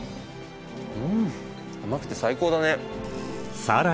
うん甘くて最高だね。